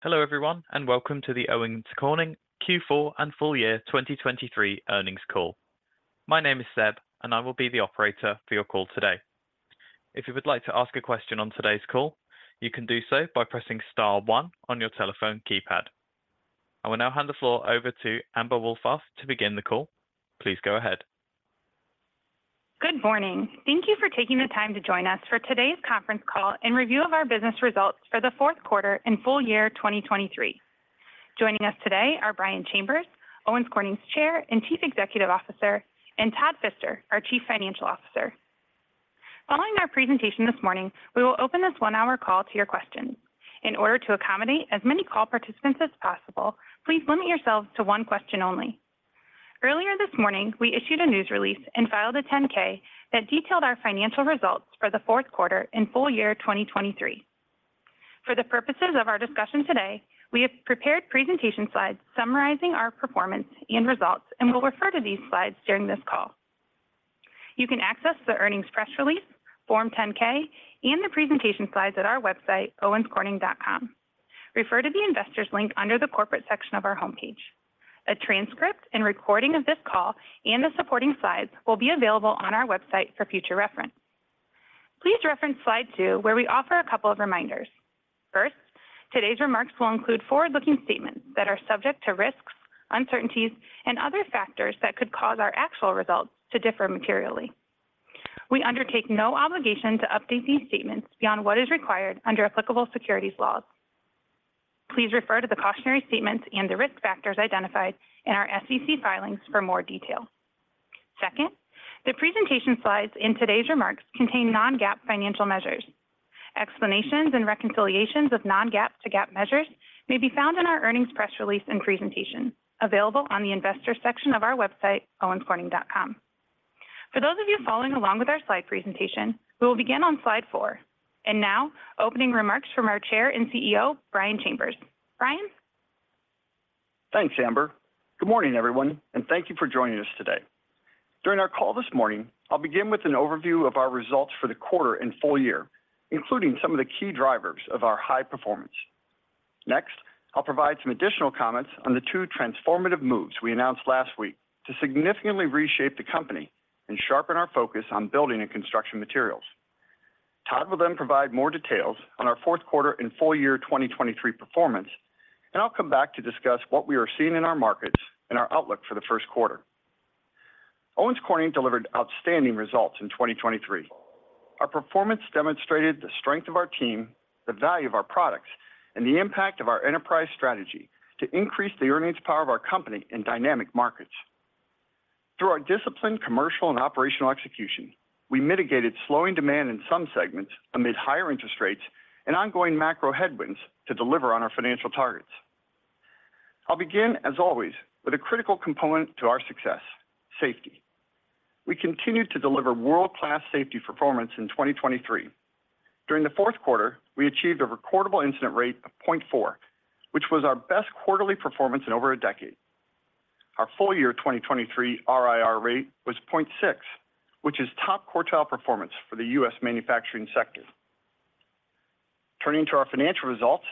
Hello, everyone, and welcome to the Owens Corning Q4 and full year 2023 earnings call. My name is Seb, and I will be the operator for your call today. If you would like to ask a question on today's call, you can do so by pressing star one on your telephone keypad. I will now hand the floor over to Amber Wohlfarth to begin the call. Please go ahead. Good morning. Thank you for taking the time to join us for today's conference call and review of our business results for the fourth quarter and full year 2023. Joining us today are Brian Chambers, Owens Corning's Chair and Chief Executive Officer, and Todd Fister, our Chief Financial Officer. Following our presentation this morning, we will open this 1-hour call to your questions. In order to accommodate as many call participants as possible, please limit yourselves to one question only. Earlier this morning, we issued a news release and filed a 10-K that detailed our financial results for the fourth quarter and full year 2023. For the purposes of our discussion today, we have prepared presentation slides summarizing our performance and results, and we'll refer to these slides during this call. You can access the earnings press release, Form 10-K, and the presentation slides at our website, owenscorning.com. Refer to the Investors link under the Corporate section of our homepage. A transcript and recording of this call and the supporting slides will be available on our website for future reference. Please reference slide two, where we offer a couple of reminders. First, today's remarks will include forward-looking statements that are subject to risks, uncertainties, and other factors that could cause our actual results to differ materially. We undertake no obligation to update these statements beyond what is required under applicable securities laws. Please refer to the cautionary statements and the risk factors identified in our SEC filings for more detail. Second, the presentation slides in today's remarks contain non-GAAP financial measures. Explanations and reconciliations of non-GAAP to GAAP measures may be found in our earnings press release and presentation, available on the Investor section of our website, owenscorning.com. For those of you following along with our slide presentation, we will begin on slide four. Now, opening remarks from our Chair and CEO, Brian Chambers. Brian? Thanks, Amber. Good morning, everyone, and thank you for joining us today. During our call this morning, I'll begin with an overview of our results for the quarter and full year, including some of the key drivers of our high performance. Next, I'll provide some additional comments on the two transformative moves we announced last week to significantly reshape the company and sharpen our focus on building and construction materials. Todd will then provide more details on our fourth quarter and full year 2023 performance, and I'll come back to discuss what we are seeing in our markets and our outlook for the first quarter. Owens Corning delivered outstanding results in 2023. Our performance demonstrated the strength of our team, the value of our products, and the impact of our enterprise strategy to increase the earnings power of our company in dynamic markets. Through our disciplined commercial and operational execution, we mitigated slowing demand in some segments amid higher interest rates and ongoing macro headwinds to deliver on our financial targets. I'll begin, as always, with a critical component to our success: safety. We continued to deliver world-class safety performance in 2023. During the fourth quarter, we achieved a recordable incident rate of 0.4, which was our best quarterly performance in over a decade. Our full year 2023 RIR rate was 0.6, which is top quartile performance for the U.S. manufacturing sector. Turning to our financial results,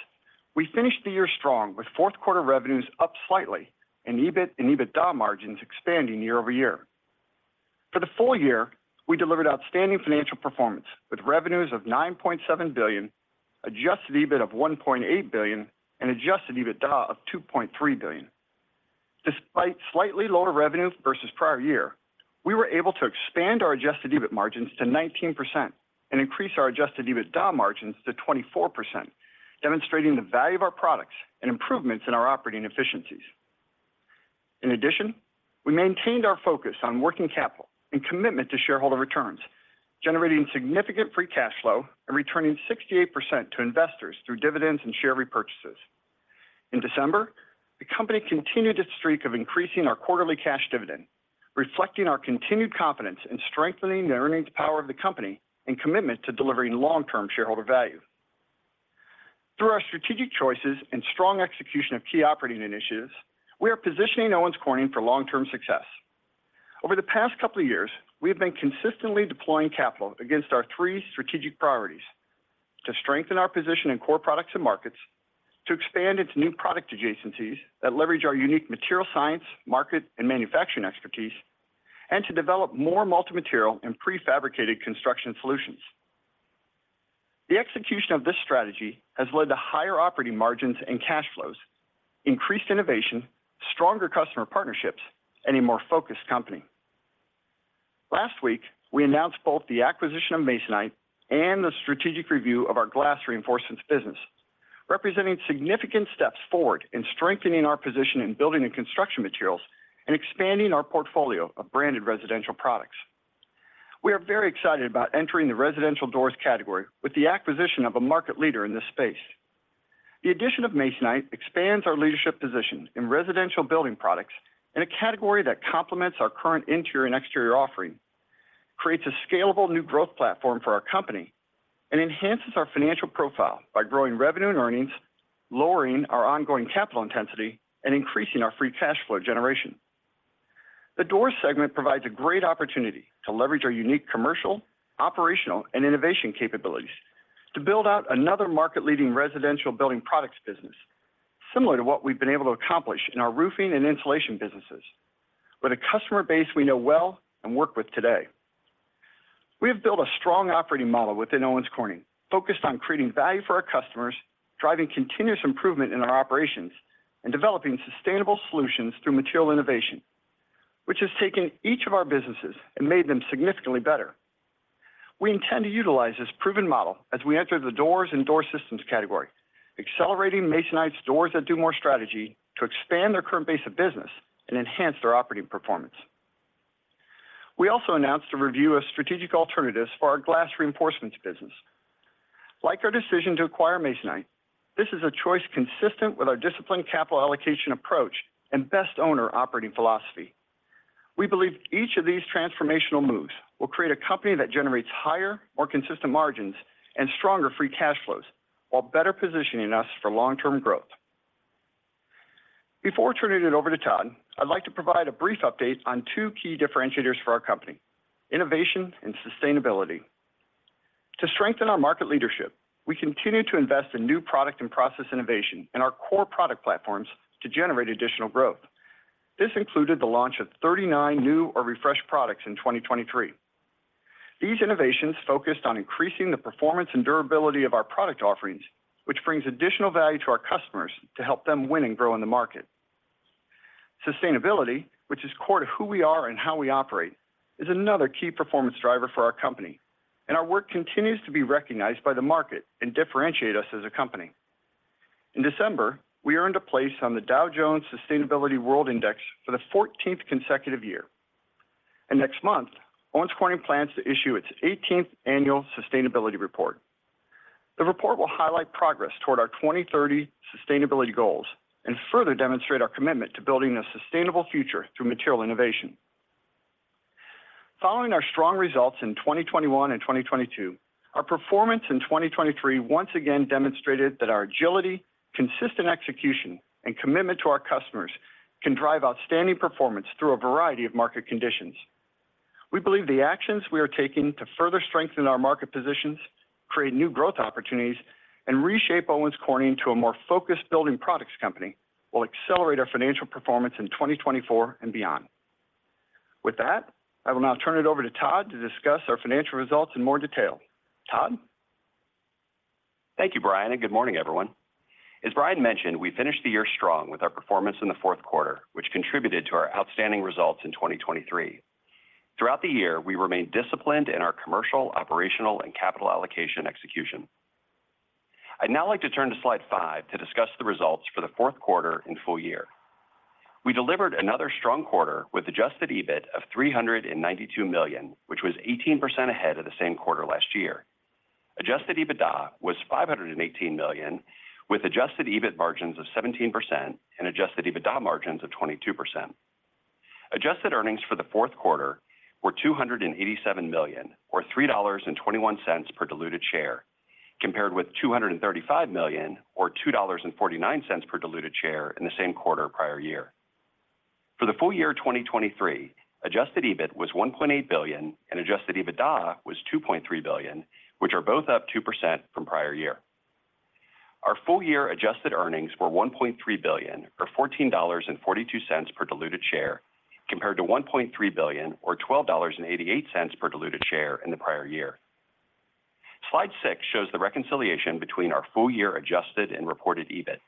we finished the year strong, with fourth quarter revenues up slightly and EBIT and EBITDA margins expanding year-over-year. For the full year, we delivered outstanding financial performance, with revenues of $9.7 billion, adjusted EBIT of $1.8 billion, and adjusted EBITDA of $2.3 billion. Despite slightly lower revenues versus prior year, we were able to expand our adjusted EBIT margins to 19% and increase our adjusted EBITDA margins to 24%, demonstrating the value of our products and improvements in our operating efficiencies. In addition, we maintained our focus on working capital and commitment to shareholder returns, generating significant free cash flow and returning 68% to investors through dividends and share repurchases. In December, the company continued its streak of increasing our quarterly cash dividend, reflecting our continued confidence in strengthening the earnings power of the company and commitment to delivering long-term shareholder value. Through our strategic choices and strong execution of key operating initiatives, we are positioning Owens Corning for long-term success. Over the past couple of years, we have been consistently deploying capital against our three strategic priorities: to strengthen our position in core products and markets, to expand into new product adjacencies that leverage our unique material science, market, and manufacturing expertise, and to develop more multi-material and prefabricated construction solutions. The execution of this strategy has led to higher operating margins and cash flows, increased innovation, stronger customer partnerships, and a more focused company. Last week, we announced both the acquisition of Masonite and the strategic review of Glass Reinforcements business, representing significant steps forward in strengthening our position in building and construction materials and expanding our portfolio of branded residential products. We are very excited about entering the residential doors category with the acquisition of a market leader in this space. The addition of Masonite expands our leadership position in residential building products in a category that complements our current interior and exterior offering, creates a scalable new growth platform for our company, and enhances our financial profile by growing revenue and earnings, lowering our ongoing capital intensity, and increasing our free cash flow generation. The doors segment provides a great opportunity to leverage our unique commercial, operational, and innovation capabilities to build out another market-leading residential building products business, similar to what we've been able to accomplish in our roofing and insulation businesses, with a customer base we know well and work with today. We have built a strong operating model within Owens Corning, focused on creating value for our customers, driving continuous improvement in our operations, and developing sustainable solutions through material innovation, which has taken each of our businesses and made them significantly better. We intend to utilize this proven model as we enter the doors and door systems category, accelerating Masonite's Doors That Do More strategy to expand their current base of business and enhance their operating performance. We also announced a review of strategic alternatives for Glass Reinforcements business. Like our decision to acquire Masonite, this is a choice consistent with our disciplined capital allocation approach and best owner operating philosophy. We believe each of these transformational moves will create a company that generates higher, more consistent margins and stronger free cash flows, while better positioning us for long-term growth. Before turning it over to Todd, I'd like to provide a brief update on two key differentiators for our company: innovation and sustainability. To strengthen our market leadership, we continue to invest in new product and process innovation in our core product platforms to generate additional growth. This included the launch of 39 new or refreshed products in 2023. These innovations focused on increasing the performance and durability of our product offerings, which brings additional value to our customers to help them win and grow in the market. Sustainability, which is core to who we are and how we operate, is another key performance driver for our company, and our work continues to be recognized by the market and differentiate us as a company. In December, we earned a place on the Dow Jones Sustainability World Index for the 14th consecutive year. Next month, Owens Corning plans to issue its 18th annual sustainability report. The report will highlight progress toward our 2030 sustainability goals and further demonstrate our commitment to building a sustainable future through material innovation. Following our strong results in 2021 and 2022, our performance in 2023 once again demonstrated that our agility, consistent execution, and commitment to our customers can drive outstanding performance through a variety of market conditions. We believe the actions we are taking to further strengthen our market positions, create new growth opportunities, and reshape Owens Corning to a more focused building products company, will accelerate our financial performance in 2024 and beyond. With that, I will now turn it over to Todd to discuss our financial results in more detail. Todd? Thank you, Brian, and good morning, everyone. As Brian mentioned, we finished the year strong with our performance in the fourth quarter, which contributed to our outstanding results in 2023. Throughout the year, we remained disciplined in our commercial, operational, and capital allocation execution. I'd now like to turn to slide five to discuss the results for the fourth quarter and full year. We delivered another strong quarter with adjusted EBIT of $392 million, which was 18% ahead of the same quarter last year. Adjusted EBITDA was $518 million, with adjusted EBIT margins of 17% and adjusted EBITDA margins of 22%. Adjusted earnings for the fourth quarter were $287 million, or $3.21 per diluted share, compared with $235 million, or $2.49 per diluted share in the same quarter prior year. For the full year 2023, adjusted EBIT was $1.8 billion, and adjusted EBITDA was $2.3 billion, which are both up 2% from prior year. Our full-year adjusted earnings were $1.3 billion, or $14.42 per diluted share, compared to $1.3 billion or $12.88 per diluted share in the prior year. Slide six shows the reconciliation between our full-year adjusted and reported EBIT.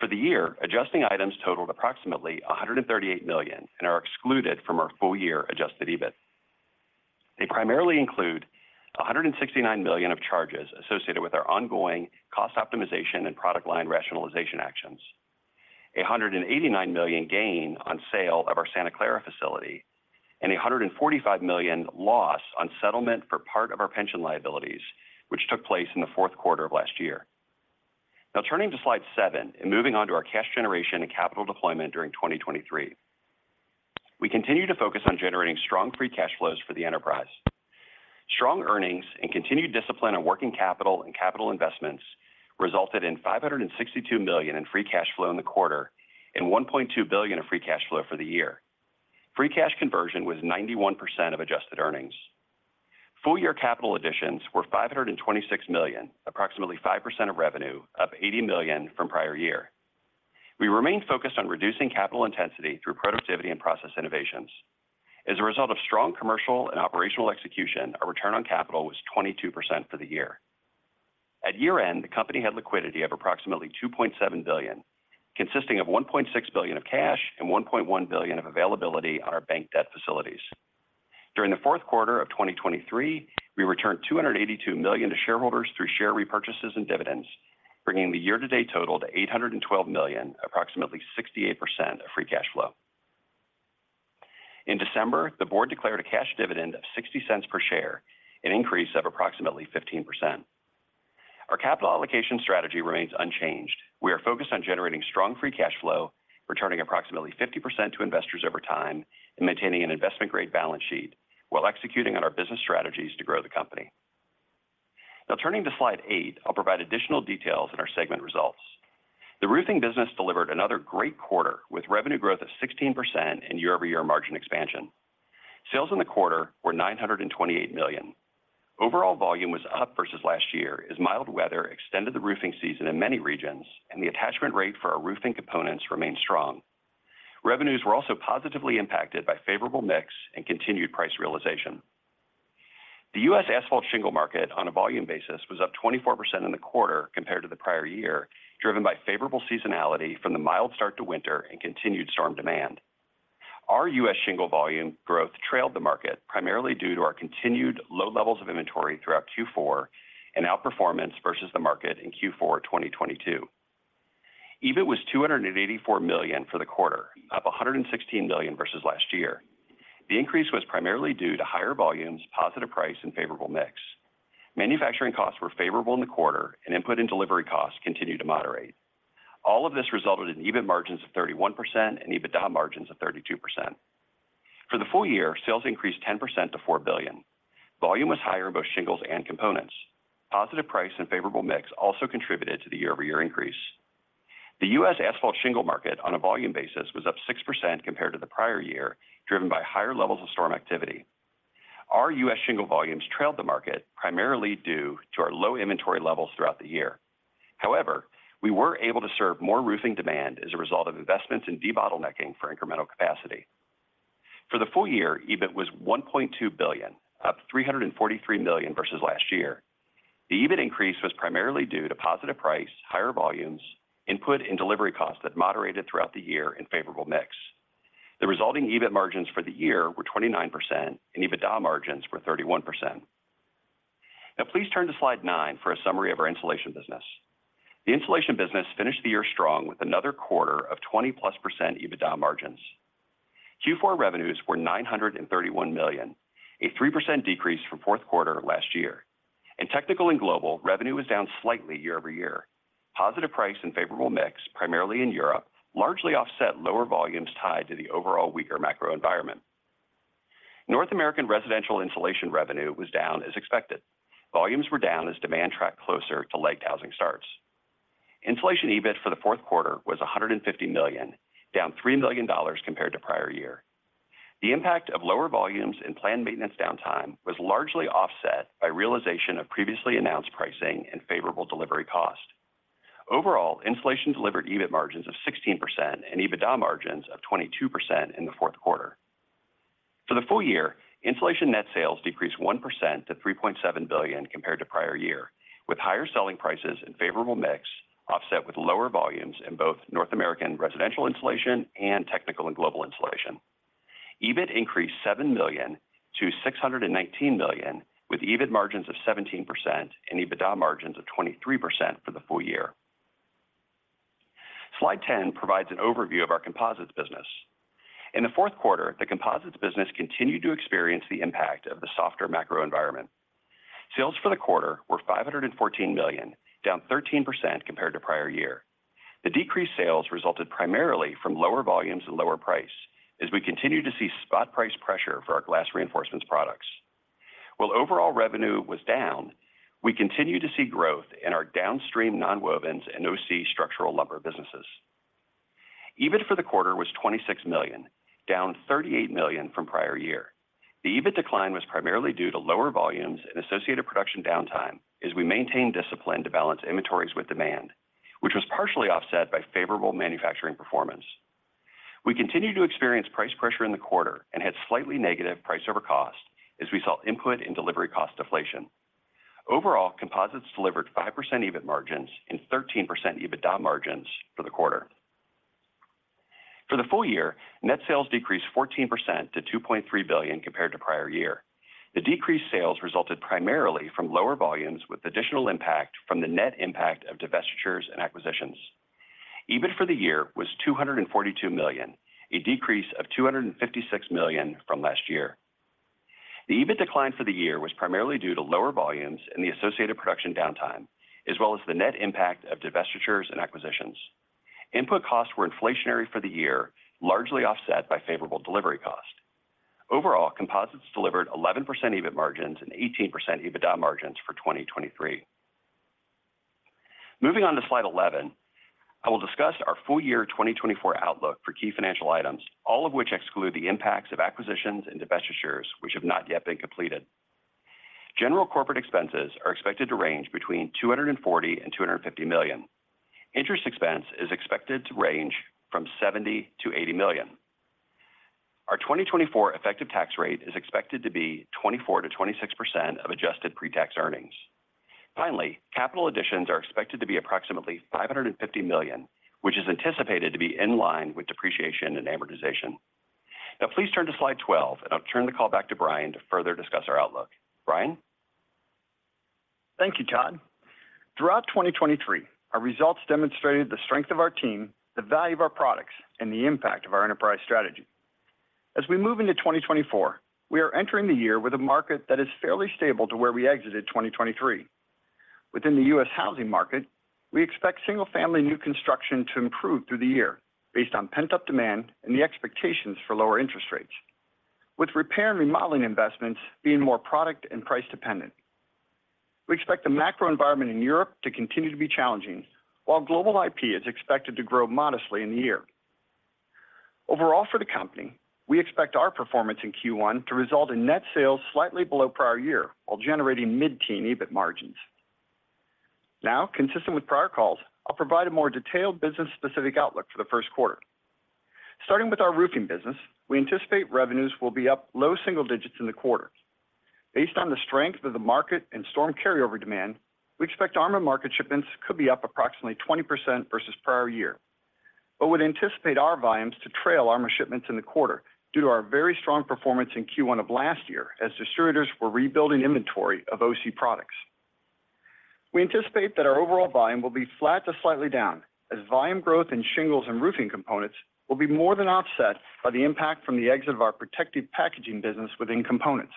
For the year, adjusting items totaled approximately $138 million and are excluded from our full-year adjusted EBIT. They primarily include $169 million of charges associated with our ongoing cost optimization and product line rationalization actions, $189 million gain on sale of our Santa Clara facility, and $145 million loss on settlement for part of our pension liabilities, which took place in the fourth quarter of last year. Now, turning to Slide seven and moving on to our cash generation and capital deployment during 2023. We continue to focus on generating strong free cash flows for the enterprise. Strong earnings and continued discipline on working capital and capital investments resulted in $562 million in free cash flow in the quarter and $1.2 billion in free cash flow for the year. Free cash conversion was 91% of adjusted earnings. Full-year capital additions were $526 million, approximately 5% of revenue, up $80 million from prior year. We remain focused on reducing capital intensity through productivity and process innovations. As a result of strong commercial and operational execution, our return on capital was 22% for the year. At year-end, the company had liquidity of approximately $2.7 billion, consisting of $1.6 billion of cash and $1.1 billion of availability on our bank debt facilities. During the fourth quarter of 2023, we returned $282 million to shareholders through share repurchases and dividends, bringing the year-to-date total to $812 million, approximately 68% of free cash flow. In December, the board declared a cash dividend of $0.60 per share, an increase of approximately 15%. Our capital allocation strategy remains unchanged. We are focused on generating strong free cash flow, returning approximately 50% to investors over time, and maintaining an investment-grade balance sheet while executing on our business strategies to grow the company.... Now turning to slide eight, I'll provide additional details on our segment results. The roofing business delivered another great quarter, with revenue growth of 16% and year-over-year margin expansion. Sales in the quarter were $928 million. Overall volume was up versus last year, as mild weather extended the roofing season in many regions, and the attachment rate for our roofing components remained strong. Revenues were also positively impacted by favorable mix and continued price realization. The U.S. asphalt shingle market, on a volume basis, was up 24% in the quarter compared to the prior year, driven by favorable seasonality from the mild start to winter and continued storm demand. Our U.S. shingle volume growth trailed the market, primarily due to our continued low levels of inventory throughout Q4 and outperformance versus the market in Q4 2022. EBIT was $284 million for the quarter, up $116 million versus last year. The increase was primarily due to higher volumes, positive price, and favorable mix. Manufacturing costs were favorable in the quarter, and input and delivery costs continued to moderate. All of this resulted in EBIT margins of 31% and EBITDA margins of 32%. For the full year, sales increased 10% to $4 billion. Volume was higher in both shingles and components. Positive price and favorable mix also contributed to the year-over-year increase. The U.S. asphalt shingle market, on a volume basis, was up 6% compared to the prior year, driven by higher levels of storm activity. Our U.S. shingle volumes trailed the market, primarily due to our low inventory levels throughout the year. However, we were able to serve more roofing demand as a result of investments in debottlenecking for incremental capacity. For the full year, EBIT was $1.2 billion, up $343 million versus last year. The EBIT increase was primarily due to positive price, higher volumes, input and delivery costs that moderated throughout the year, and favorable mix. The resulting EBIT margins for the year were 29%, and EBITDA margins were 31%. Now please turn to slide nine for a summary of our insulation business. The insulation business finished the year strong with another quarter of 20+% EBITDA margins. Q4 revenues were $931 million, a 3% decrease from fourth quarter last year. In Technical and Global, revenue was down slightly year-over-year. Positive price and favorable mix, primarily in Europe, largely offset lower volumes tied to the overall weaker macro environment. North American Residential Insulation revenue was down as expected. Volumes were down as demand tracked closer to lagged housing starts. Insulation EBIT for the fourth quarter was $150 million, down $3 million compared to prior year. The impact of lower volumes and planned maintenance downtime was largely offset by realization of previously announced pricing and favorable delivery cost. Overall, insulation delivered EBIT margins of 16% and EBITDA margins of 22% in the fourth quarter. For the full year, insulation net sales decreased 1% to $3.7 billion compared to prior year, with higher selling prices and favorable mix offset with lower volumes in both North American Residential Insulation and Technical and Global Insulation. EBIT increased $7 million to $619 million, with EBIT margins of 17% and EBITDA margins of 23% for the full year. Slide 10 provides an overview of our composites business. In the fourth quarter, the composites business continued to experience the impact of the softer macro environment. Sales for the quarter were $514 million, down 13% compared to prior year. The decreased sales resulted primarily from lower volumes and lower price, as we continued to see spot price pressure for Glass Reinforcements products. While overall revenue was down, we continued to see growth in our downstream nonwovens and OC structural lumber businesses. EBIT for the quarter was $26 million, down $38 million from prior year. The EBIT decline was primarily due to lower volumes and associated production downtime as we maintained discipline to balance inventories with demand, which was partially offset by favorable manufacturing performance. We continued to experience price pressure in the quarter and had slightly negative price over cost as we saw input and delivery cost deflation. Overall, composites delivered 5% EBIT margins and 13% EBITDA margins for the quarter. For the full year, net sales decreased 14% to $2.3 billion compared to prior year. The decreased sales resulted primarily from lower volumes, with additional impact from the net impact of divestitures and acquisitions. EBIT for the year was $242 million, a decrease of $256 million from last year. The EBIT decline for the year was primarily due to lower volumes and the associated production downtime, as well as the net impact of divestitures and acquisitions. Input costs were inflationary for the year, largely offset by favorable delivery costs. Overall, composites delivered 11% EBIT margins and 18% EBITDA margins for 2023. Moving on to slide 11, I will discuss our full year 2024 outlook for key financial items, all of which exclude the impacts of acquisitions and divestitures which have not yet been completed. General corporate expenses are expected to range between $240 million and $250 million. Interest expense is expected to range from $70 million-$80 million. Our 2024 effective tax rate is expected to be 24%-26% of adjusted pre-tax earnings. Finally, capital additions are expected to be approximately $550 million, which is anticipated to be in line with depreciation and amortization. Now please turn to slide 12, and I'll turn the call back to Brian to further discuss our outlook. Brian? Thank you, Todd. Throughout 2023, our results demonstrated the strength of our team, the value of our products, and the impact of our enterprise strategy. As we move into 2024, we are entering the year with a market that is fairly stable to where we exited 2023. Within the U.S. housing market, we expect single-family new construction to improve through the year based on pent-up demand and the expectations for lower interest rates.... With repair and remodeling investments being more product and price dependent. We expect the macro environment in Europe to continue to be challenging, while Global IP is expected to grow modestly in the year. Overall, for the company, we expect our performance in Q1 to result in net sales slightly below prior year, while generating mid-teen EBIT margins. Now, consistent with prior calls, I'll provide a more detailed business-specific outlook for the first quarter. Starting with our roofing business, we anticipate revenues will be up low single digits in the quarter. Based on the strength of the market and storm carryover demand, we expect ARMA market shipments could be up approximately 20% versus prior year, but would anticipate our volumes to trail ARMA shipments in the quarter due to our very strong performance in Q1 of last year, as distributors were rebuilding inventory of OC products. We anticipate that our overall volume will be flat to slightly down, as volume growth in shingles and roofing components will be more than offset by the impact from the exit of our protective packaging business within components.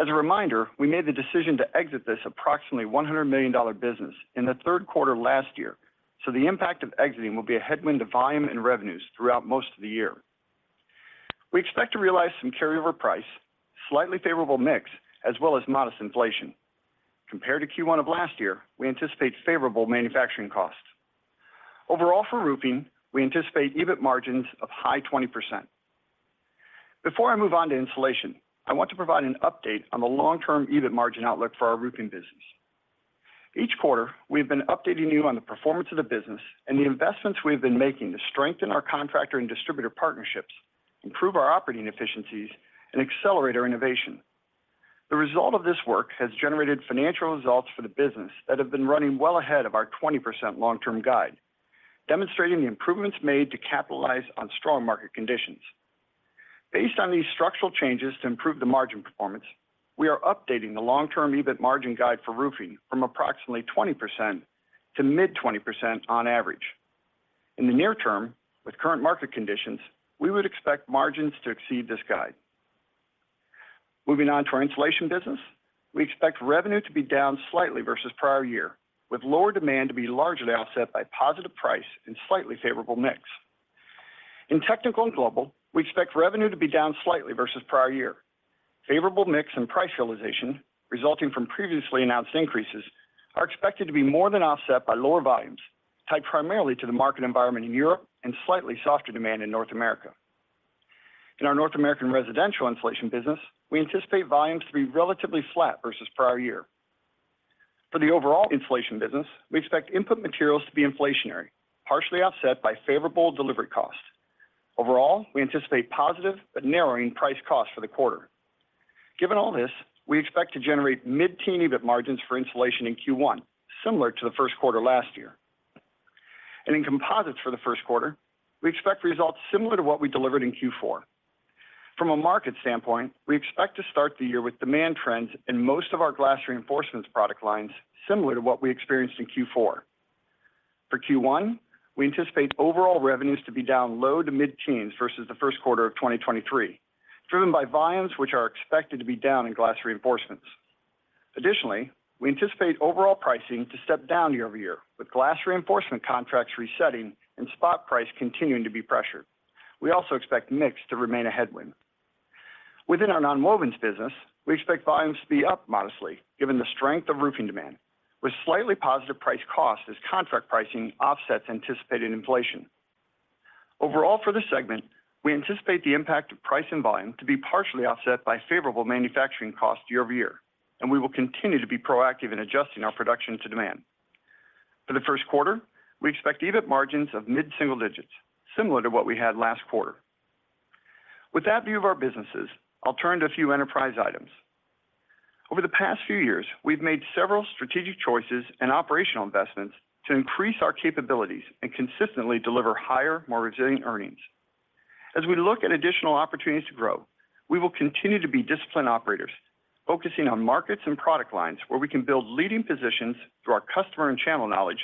As a reminder, we made the decision to exit this approximately $100 million business in the third quarter of last year, so the impact of exiting will be a headwind to volume and revenues throughout most of the year. We expect to realize some carryover price, slightly favorable mix, as well as modest inflation. Compared to Q1 of last year, we anticipate favorable manufacturing costs. Overall, for roofing, we anticipate EBIT margins of high 20%. Before I move on to insulation, I want to provide an update on the long-term EBIT margin outlook for our roofing business. Each quarter, we've been updating you on the performance of the business and the investments we've been making to strengthen our contractor and distributor partnerships, improve our operating efficiencies, and accelerate our innovation. The result of this work has generated financial results for the business that have been running well ahead of our 20% long-term guide, demonstrating the improvements made to capitalize on strong market conditions. Based on these structural changes to improve the margin performance, we are updating the long-term EBIT margin guide for roofing from approximately 20% to mid-20% on average. In the near term, with current market conditions, we would expect margins to exceed this guide. Moving on to our insulation business, we expect revenue to be down slightly versus prior year, with lower demand to be largely offset by positive price and slightly favorable mix. In technical and global, we expect revenue to be down slightly versus prior year. Favorable mix and price realization, resulting from previously announced increases, are expected to be more than offset by lower volumes, tied primarily to the market environment in Europe and slightly softer demand in North America. In our North American residential insulation business, we anticipate volumes to be relatively flat versus prior year. For the overall insulation business, we expect input materials to be inflationary, partially offset by favorable delivery costs. Overall, we anticipate positive but narrowing price-costs for the quarter. Given all this, we expect to generate mid-teen EBIT margins for insulation in Q1, similar to the first quarter last year. In composites for the first quarter, we expect results similar to what we delivered in Q4. From a market standpoint, we expect to start the year with demand trends in most of Glass Reinforcements product lines, similar to what we experienced in Q4. For Q1, we anticipate overall revenues to be down low-to-mid-teens versus the first quarter of 2023, driven by volumes which are expected to be down Glass Reinforcements. additionally, we anticipate overall pricing to step down year-over-year, with glass reinforcement contracts resetting and spot price continuing to be pressured. We also expect mix to remain a headwind. Within our nonwovens business, we expect volumes to be up modestly, given the strength of roofing demand, with slightly positive price-costs as contract pricing offsets anticipated inflation. Overall, for this segment, we anticipate the impact of price and volume to be partially offset by favorable manufacturing costs year-over-year, and we will continue to be proactive in adjusting our production to demand. For the first quarter, we expect EBIT margins of mid-single digits, similar to what we had last quarter. With that view of our businesses, I'll turn to a few enterprise items. Over the past few years, we've made several strategic choices and operational investments to increase our capabilities and consistently deliver higher, more resilient earnings. As we look at additional opportunities to grow, we will continue to be disciplined operators, focusing on markets and product lines where we can build leading positions through our customer and channel knowledge,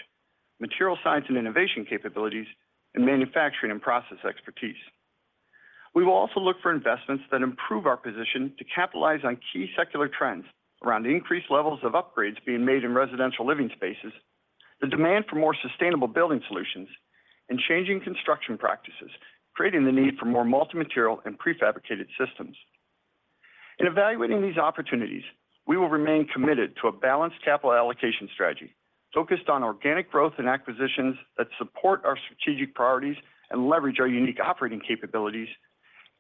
material science and innovation capabilities, and manufacturing and process expertise. We will also look for investments that improve our position to capitalize on key secular trends around the increased levels of upgrades being made in residential living spaces, the demand for more sustainable building solutions, and changing construction practices, creating the need for more multi-material and prefabricated systems. In evaluating these opportunities, we will remain committed to a balanced capital allocation strategy, focused on organic growth and acquisitions that support our strategic priorities and leverage our unique operating capabilities,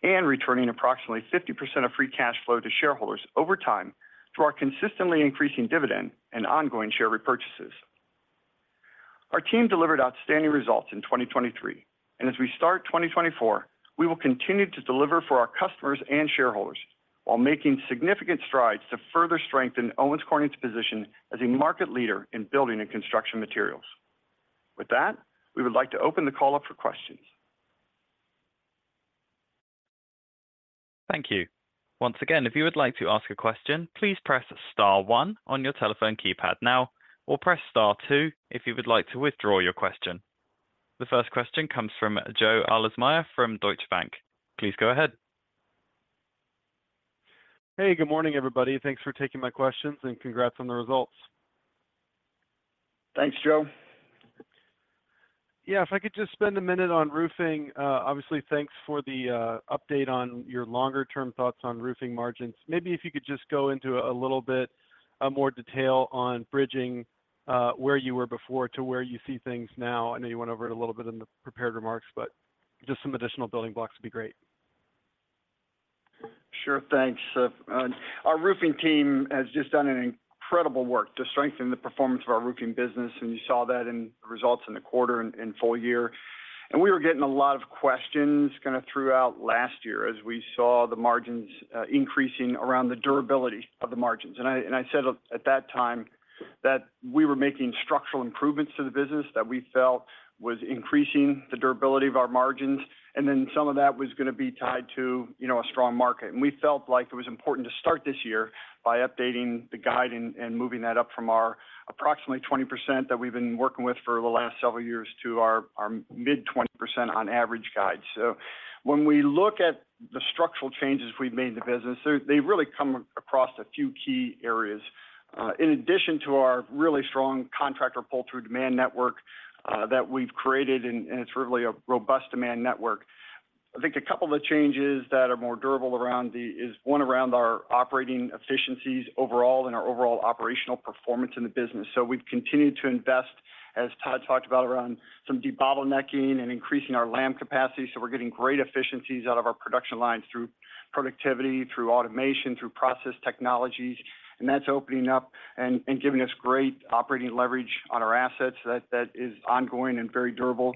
and returning approximately 50% of free cash flow to shareholders over time through our consistently increasing dividend and ongoing share repurchases. Our team delivered outstanding results in 2023, and as we start 2024, we will continue to deliver for our customers and shareholders, while making significant strides to further strengthen Owens Corning's position as a market leader in building and construction materials. With that, we would like to open the call up for questions. Thank you. Once again, if you would like to ask a question, please press star one on your telephone keypad now, or press star two if you would like to withdraw your question. The first question comes from Joe Ahlersmeyer from Deutsche Bank. Please go ahead. Hey, good morning, everybody. Thanks for taking my questions, and congrats on the results.... Thanks, Joe. Yeah, if I could just spend a minute on roofing. Obviously, thanks for the update on your longer-term thoughts on roofing margins. Maybe if you could just go into a little bit more detail on bridging where you were before to where you see things now. I know you went over it a little bit in the prepared remarks, but just some additional building blocks would be great. Sure, thanks. So, our roofing team has just done an incredible work to strengthen the performance of our roofing business, and you saw that in the results in the quarter and, and full year. And we were getting a lot of questions kinda throughout last year as we saw the margins increasing around the durability of the margins. And I, and I said at that time, that we were making structural improvements to the business that we felt was increasing the durability of our margins, and then some of that was gonna be tied to, you know, a strong market. And we felt like it was important to start this year by updating the guide and, and moving that up from our approximately 20% that we've been working with for the last several years to our, our mid-20% on average guide. So when we look at the structural changes we've made in the business, so they really come across a few key areas. In addition to our really strong contractor pull-through demand network, that we've created, and it's really a robust demand network. I think a couple of the changes that are more durable around the is one, around our operating efficiencies overall and our overall operational performance in the business. So we've continued to invest, as Todd talked about, around some debottlenecking and increasing our lam capacity. So we're getting great efficiencies out of our production lines through productivity, through automation, through process technologies, and that's opening up and giving us great operating leverage on our assets. That is ongoing and very durable.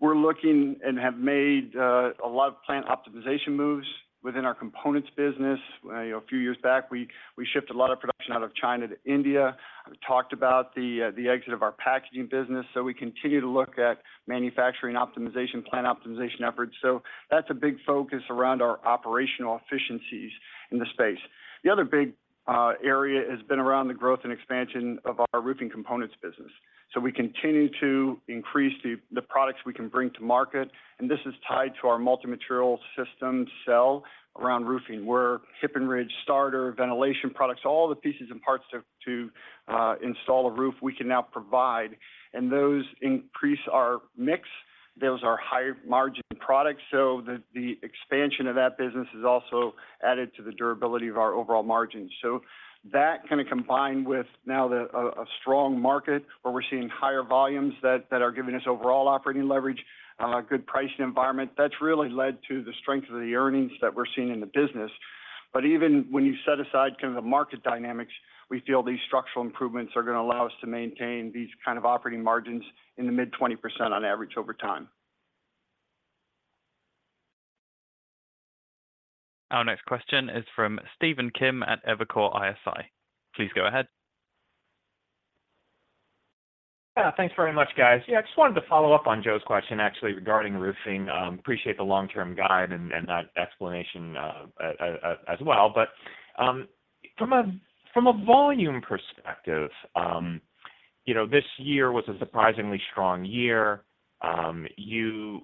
We're looking and have made a lot of plant optimization moves within our components business. You know, a few years back, we shipped a lot of production out of China to India. We talked about the exit of our packaging business, so we continue to look at manufacturing optimization, plant optimization efforts. So that's a big focus around our operational efficiencies in the space. The other big area has been around the growth and expansion of our roofing components business. So we continue to increase the products we can bring to market, and this is tied to our multi-material system sell around roofing, where hip and ridge starter, ventilation products, all the pieces and parts to install a roof, we can now provide, and those increase our mix. Those are high-margin products, so the expansion of that business has also added to the durability of our overall margins. So that kinda combined with now a strong market, where we're seeing higher volumes that are giving us overall operating leverage, good pricing environment, that's really led to the strength of the earnings that we're seeing in the business. But even when you set aside kinda the market dynamics, we feel these structural improvements are gonna allow us to maintain these kind of operating margins in the mid-20% on average over time. Our next question is from Stephen Kim at Evercore ISI. Please go ahead. Thanks very much, guys. Yeah, I just wanted to follow up on Joe's question, actually, regarding roofing. Appreciate the long-term guide and that explanation as well. But from a volume perspective, you know, this year was a surprisingly strong year. You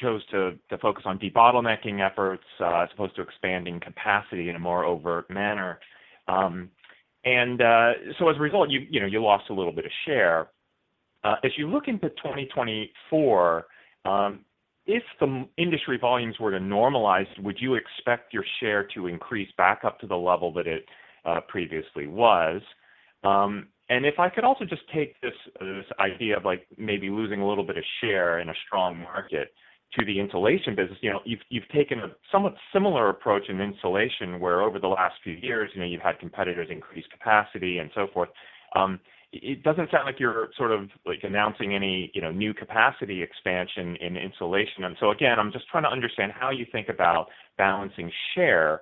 chose to focus on debottlenecking efforts as opposed to expanding capacity in a more overt manner. So as a result, you know, you lost a little bit of share. As you look into 2024, if the industry volumes were to normalize, would you expect your share to increase back up to the level that it previously was? And if I could also just take this idea of, like, maybe losing a little bit of share in a strong market to the insulation business. You know, you've taken a somewhat similar approach in insulation, where over the last few years, you know, you've had competitors increase capacity and so forth. It doesn't sound like you're sort of, like, announcing any, you know, new capacity expansion in insulation. And so again, I'm just trying to understand how you think about balancing share with,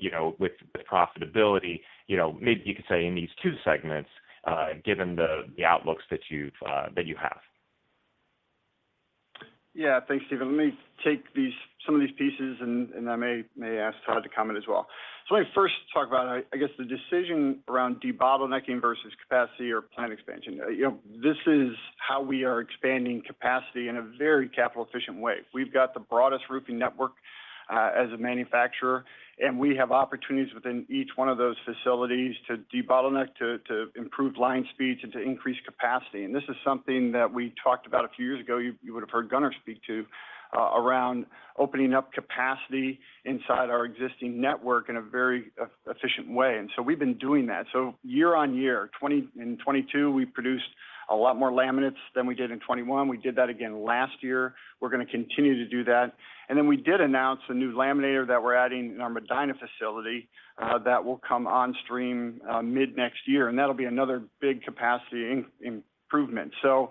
you know, with profitability, you know, maybe you could say in these two segments, given the outlooks that you have. Yeah. Thanks, Stephen. Let me take these, some of these pieces, and, and I may, may ask Todd to comment as well. So let me first talk about, I, I guess, the decision around debottlenecking versus capacity or plant expansion. You know, this is how we are expanding capacity in a very capital-efficient way. We've got the broadest roofing network, as a manufacturer, and we have opportunities within each one of those facilities to debottleneck, to, to improve line speeds, and to increase capacity. And this is something that we talked about a few years ago, you, you would have heard Gunner speak to, around opening up capacity inside our existing network in a very efficient way, and so we've been doing that. So year-over-year, 2020 and 2022, we produced a lot more laminates than we did in 2021. We did that again last year. We're gonna continue to do that. And then we did announce a new laminator that we're adding in our Medina facility, that will come on stream, mid-next year, and that'll be another big capacity improvement. So,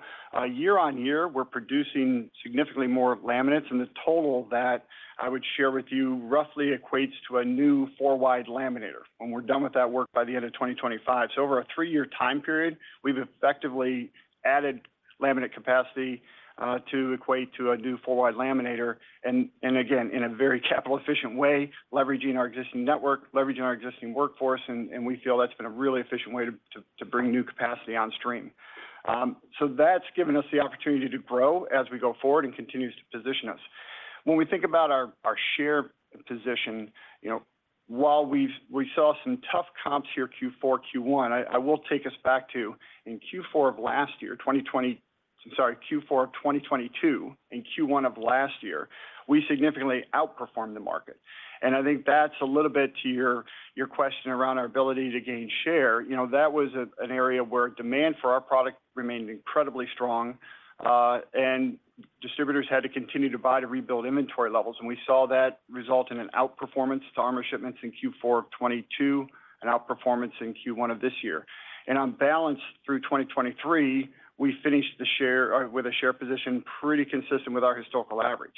year on year, we're producing significantly more laminates, and the total that I would share with you roughly equates to a new four-wide laminator when we're done with that work by the end of 2025. So over a three year time period, we've effectively added laminate capacity, to equate to a new four-wide laminator and, again, in a very capital-efficient way, leveraging our existing network, leveraging our existing workforce, and we feel that's been a really efficient way to bring new capacity on stream. So that's given us the opportunity to grow as we go forward and continues to position us. When we think about our share position, you know, while we saw some tough comps here, Q4, Q1, I will take us back to in Q4 of last year, 2022—sorry, Q4 of 2022 and Q1 of last year, we significantly outperformed the market. And I think that's a little bit to your question around our ability to gain share. You know, that was an area where demand for our product remained incredibly strong, and distributors had to continue to buy, to rebuild inventory levels, and we saw that result in an outperformance to ARMA shipments in Q4 of 2022, and outperformance in Q1 of this year. On balance, through 2023, we finished the year with a share position pretty consistent with our historical average.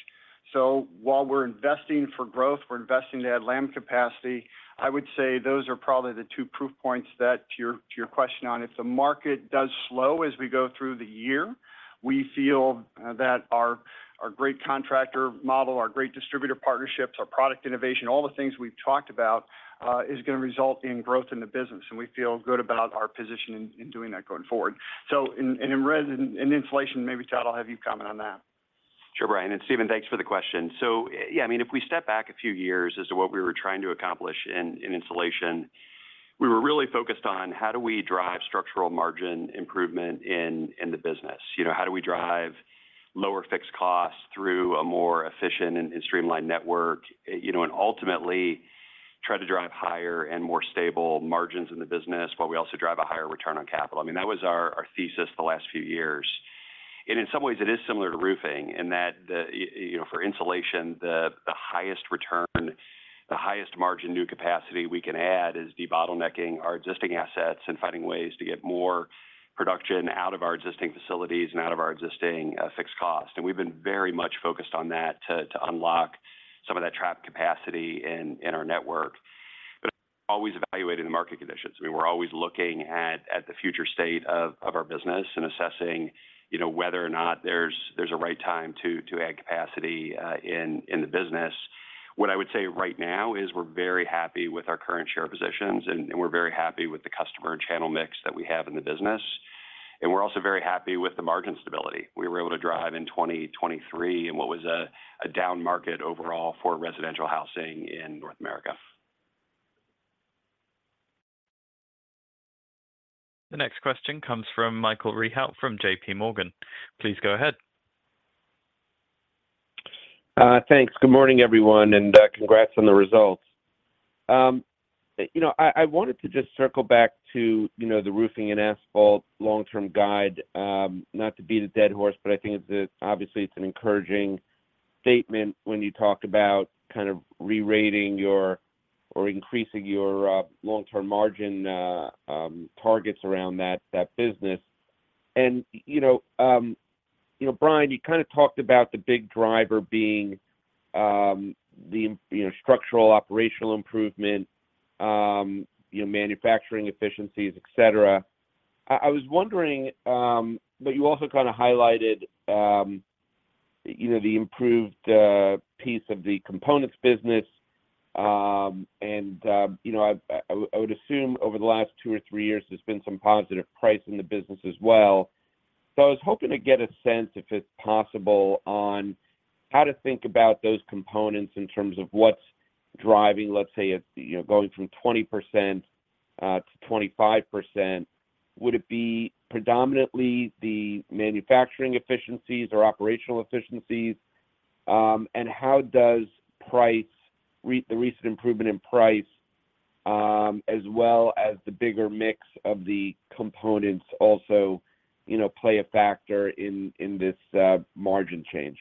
So while we're investing for growth, we're investing to add lam capacity, I would say those are probably the two proof points that to your, to your question on if the market does slow as we go through the year, we feel that our, our great contractor model, our great distributor partnerships, our product innovation, all the things we've talked about is gonna result in growth in the business, and we feel good about our position in, in doing that going forward. So in insulation, maybe, Todd, I'll have you comment on that. Sure, Brian and Stephen, thanks for the question. So yeah, I mean, if we step back a few years as to what we were trying to accomplish in insulation, we were really focused on how do we drive structural margin improvement in the business? You know, how do we drive lower fixed costs through a more efficient and streamlined network? You know, and ultimately, try to drive higher and more stable margins in the business, but we also drive a higher return on capital. I mean, that was our thesis the last few years. In some ways, it is similar to roofing in that, you know, for insulation, the highest return, the highest margin new capacity we can add is debottlenecking our existing assets and finding ways to get more production out of our existing facilities and out of our existing fixed cost. We've been very much focused on that to unlock some of that trapped capacity in our network. Always evaluating the market conditions. I mean, we're always looking at the future state of our business and assessing, you know, whether or not there's a right time to add capacity in the business. What I would say right now is we're very happy with our current share positions, and we're very happy with the customer channel mix that we have in the business. We're also very happy with the margin stability we were able to drive in 2023, in what was a down market overall for residential housing in North America. The next question comes from Michael Rehaut from J.P. Morgan. Please go ahead. Thanks. Good morning, everyone, and congrats on the results. You know, I wanted to just circle back to, you know, the roofing and asphalt long-term guide. Not to beat a dead horse, but I think it's, obviously, it's an encouraging statement when you talk about kind of rerating your or increasing your long-term margin targets around that business. And, you know, Brian, you kind of talked about the big driver being the you know, structural operational improvement, you know, manufacturing efficiencies, et cetera. I was wondering... But you also kind of highlighted you know, the improved piece of the components business, and you know, I would assume over the last two or three years, there's been some positive price in the business as well. I was hoping to get a sense, if it's possible, on how to think about those components in terms of what's driving, let's say, it's, you know, going from 20%-25%. Would it be predominantly the manufacturing efficiencies or operational efficiencies? And how does price, the recent improvement in price, as well as the bigger mix of the components also, you know, play a factor in this margin change?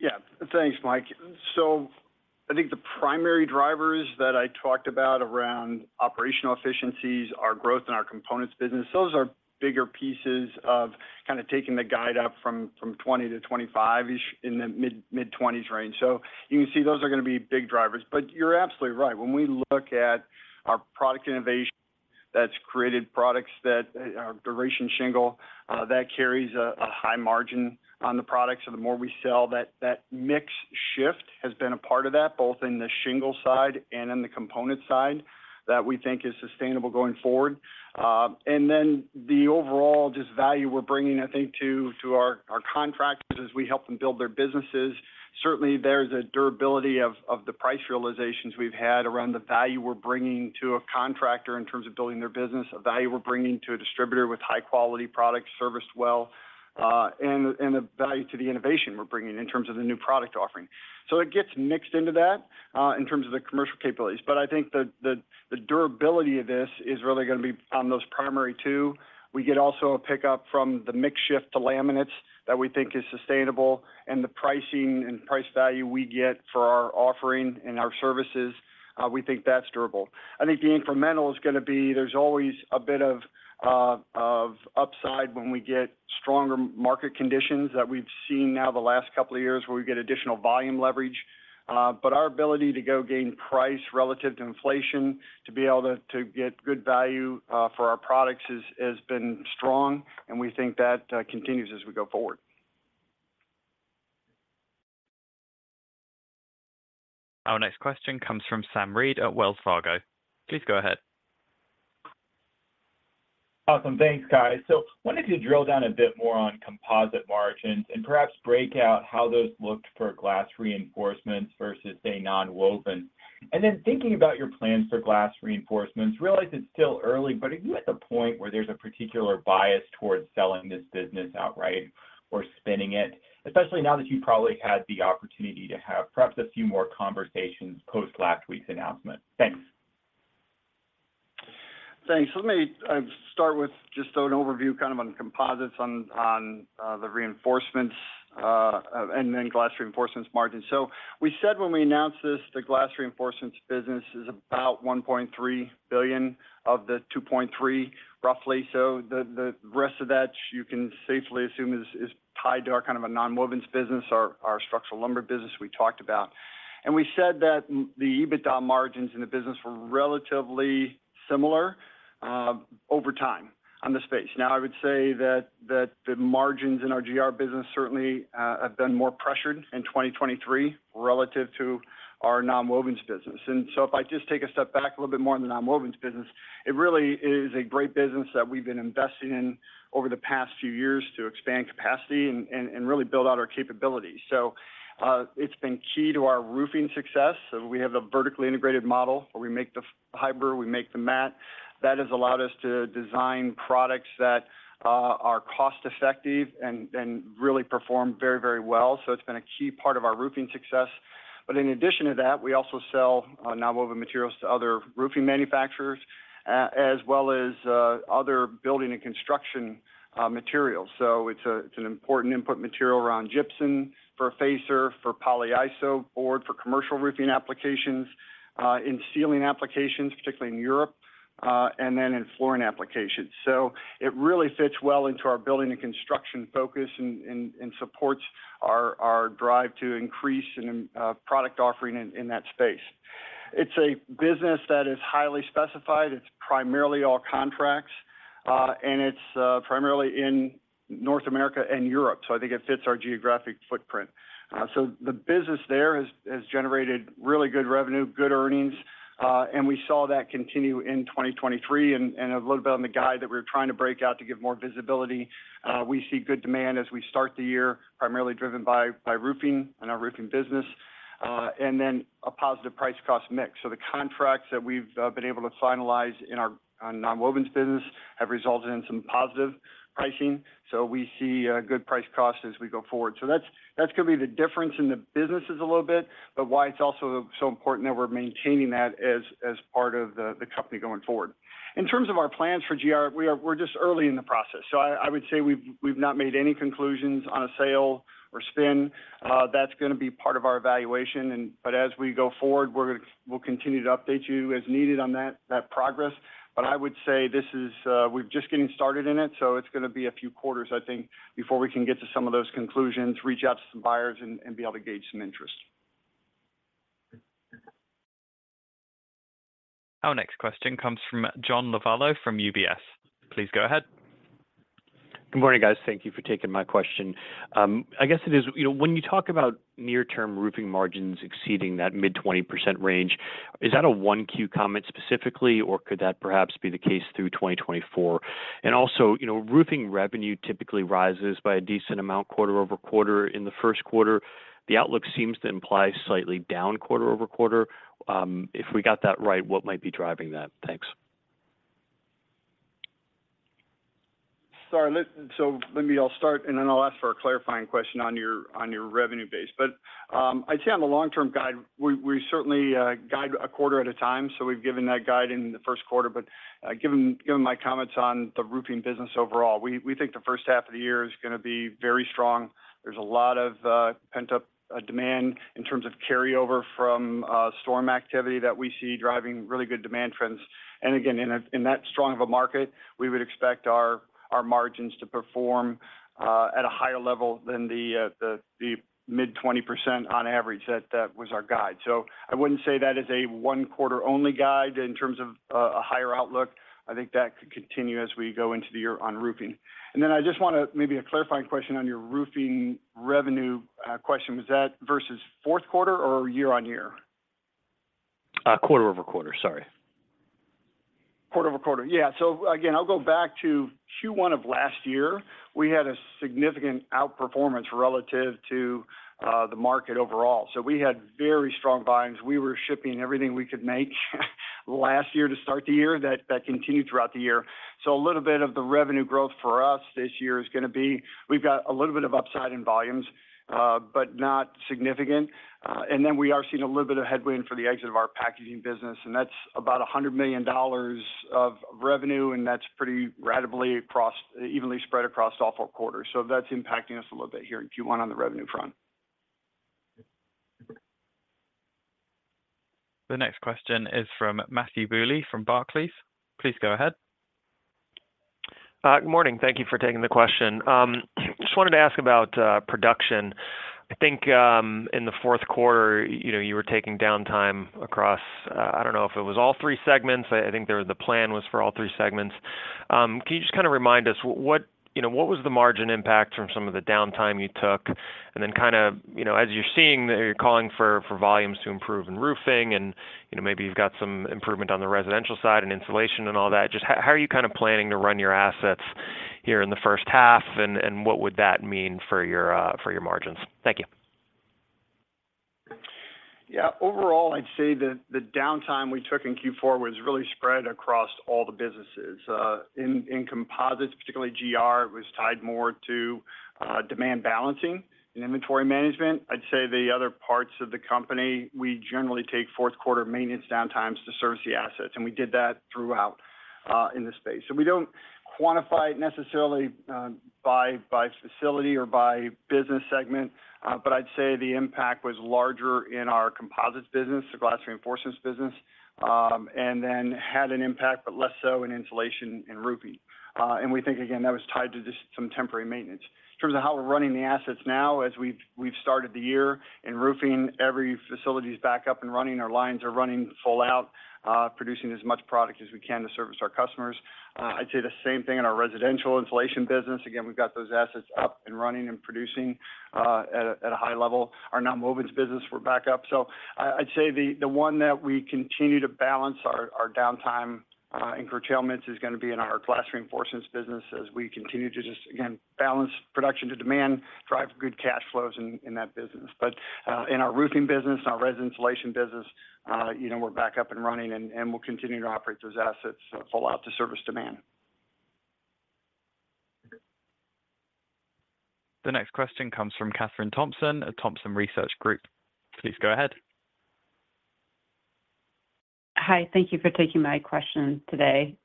Yeah. Thanks, Mike. So I think the primary drivers that I talked about around operational efficiencies, our growth in our components business, those are bigger pieces of kind of taking the guide up from, from 20-25-ish, in the mid, mid-20s range. So you can see those are gonna be big drivers. But you're absolutely right. When we look at our product innovation, that's created products that, Duration shingle, that carries a, a high margin on the product. So the more we sell, that, that mix shift has been a part of that, both in the shingle side and in the component side, that we think is sustainable going forward. And then the overall just value we're bringing, I think, to, to our, our contractors as we help them build their businesses. Certainly, there's a durability of the price realizations we've had around the value we're bringing to a contractor in terms of building their business, a value we're bringing to a distributor with high-quality products, serviced well, and a value to the innovation we're bringing in terms of the new product offering. So it gets mixed into that in terms of the commercial capabilities. But I think the durability of this is really gonna be on those primary two. We get also a pickup from the mix shift to laminates that we think is sustainable, and the pricing and price value we get for our offering and our services, we think that's durable. I think the incremental is gonna be there's always a bit of upside when we get stronger market conditions that we've seen now the last couple of years, where we get additional volume leverage. But our ability to go gain price relative to inflation, to be able to, to get good value for our products has been strong, and we think that continues as we go forward.... Our next question comes from Sam Reid at Wells Fargo. Please go ahead. Awesome. Thanks, guys. So wanted to drill down a bit more on composites margins and perhaps break out how those looked Glass Reinforcements versus, say, nonwovens. And then thinking about your plans Glass Reinforcements, realize it's still early, but are you at the point where there's a particular bias towards selling this business outright or spinning it? Especially now that you've probably had the opportunity to have perhaps a few more conversations post last week's announcement. Thanks. Thanks. So let me start with just an overview, kind of on composites on the reinforcements, and Glass Reinforcements margins. So we said when we announced this, Glass Reinforcements business is about $1.3 billion of the $2.3 billion, roughly. So the rest of that you can safely assume is tied to our kind of a nonwovens business, our structural lumber business we talked about. And we said that the EBITDA margins in the business were relatively similar over time in the space. Now, I would say that the margins in our GR business certainly have been more pressured in 2023 relative to our nonwovens business. And so if I just take a step back a little bit more in the nonwovens business, it really is a great business that we've been investing in over the past few years to expand capacity and really build out our capabilities. So, it's been key to our roofing success. So we have a vertically integrated model, where we make the fiber, we make the mat. That has allowed us to design products that are cost-effective and really perform very, very well. So it's been a key part of our roofing success. But in addition to that, we also sell nonwoven materials to other roofing manufacturers, as well as other building and construction materials. So it's an important input material around gypsum, for facer, for polyiso board, for commercial roofing applications, in ceiling applications, particularly in Europe, and then in flooring applications. So it really fits well into our building and construction focus, and supports our drive to increase in product offering in that space. It's a business that is highly specified. It's primarily all contracts, and it's primarily in North America and Europe, so I think it fits our geographic footprint. So the business there has generated really good revenue, good earnings, and we saw that continue in 2023. And a little bit on the guide that we're trying to break out to give more visibility. We see good demand as we start the year, primarily driven by roofing and our roofing business, and then a positive price cost mix. So the contracts that we've been able to finalize in our nonwovens business have resulted in some positive pricing, so we see a good price cost as we go forward. So that's going to be the difference in the businesses a little bit, but why it's also so important that we're maintaining that as part of the company going forward. In terms of our plans for GR, we're just early in the process, so I would say we've not made any conclusions on a sale or spin. That's gonna be part of our evaluation. But as we go forward, we'll continue to update you as needed on that progress. But I would say this is, we're just getting started in it, so it's gonna be a few quarters, I think, before we can get to some of those conclusions, reach out to some buyers, and, and be able to gauge some interest. Our next question comes from John Lovallo from UBS. Please go ahead. Good morning, guys. Thank you for taking my question. I guess it is, you know, when you talk about near-term roofing margins exceeding that mid-20% range, is that a Q1 comment specifically, or could that perhaps be the case through 2024? And also, you know, roofing revenue typically rises by a decent amount quarter-over-quarter. In the first quarter, the outlook seems to imply slightly down quarter-over-quarter. If we got that right, what might be driving that? Thanks. Sorry, so let me... I'll start, and then I'll ask for a clarifying question on your, on your revenue base. But, I'd say on the long-term guide, we certainly guide a quarter at a time, so we've given that guide in the first quarter. But, given my comments on the roofing business overall, we think the first half of the year is gonna be very strong. There's a lot of pent-up demand in terms of carryover from storm activity that we see driving really good demand trends. And again, in that strong of a market, we would expect our margins to perform at a higher level than the mid-20% on average. That was our guide. So I wouldn't say that is a one-quarter only guide in terms of, a higher outlook. I think that could continue as we go into the year on roofing. And then I just want to... maybe a clarifying question on your roofing revenue, question. Was that versus fourth quarter or year-on-year? Quarter-over-quarter. Sorry. Quarter-over-quarter. Yeah. So again, I'll go back to Q1 of last year. We had a significant outperformance relative to, the market overall. So we had very strong volumes. We were shipping everything we could make, last year to start the year. That, that continued throughout the year. So a little bit of the revenue growth for us this year is gonna be, we've got a little bit of upside in volumes, but not significant. And then we are seeing a little bit of headwind for the exit of our packaging business, and that's about $100 million of, of revenue, and that's pretty ratably, evenly spread across all four quarters. So that's impacting us a little bit here in Q1 on the revenue front. The next question is from Matthew Bouley, from Barclays. Please go ahead. Good morning. Thank you for taking the question. Just wanted to ask about production. I think in the fourth quarter, you know, you were taking downtime across, I don't know if it was all three segments. I think the plan was for all three segments. Can you just kind of remind us what, you know, what was the margin impact from some of the downtime you took? And then kind of, you know, as you're seeing, you're calling for volumes to improve in roofing and, you know, maybe you've got some improvement on the residential side and insulation and all that, just how are you kind of planning to run your assets here in the first half, and what would that mean for your margins? Thank you. Yeah. Overall, I'd say that the downtime we took in Q4 was really spread across all the businesses. In composites, particularly GR, it was tied more to demand balancing and inventory management. I'd say the other parts of the company, we generally take fourth quarter maintenance downtimes to service the assets, and we did that throughout in the space. So we don't quantify it necessarily by facility or by business segment, but I'd say the impact was larger in our composites business, Glass Reinforcements business, and then had an impact, but less so in insulation and roofing. And we think, again, that was tied to just some temporary maintenance. In terms of how we're running the assets now, as we've started the year in roofing, every facility is back up and running. Our lines are running full out, producing as much product as we can to service our customers. I'd say the same thing in our residential insulation business. Again, we've got those assets up and running and producing at a high level. Our nonwovens business, we're back up. So I'd say the one that we continue to balance our downtime and curtailments is gonna be in Glass Reinforcements business as we continue to just again balance production to demand, drive good cash flows in that business. But in our roofing business, our res insulation business, you know, we're back up and running, and we'll continue to operate those assets full out to service demand. The next question comes from Kathryn Thompson at Thompson Research Group. Please go ahead. Hi, thank you for taking my question today.